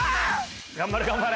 ・頑張れ頑張れ。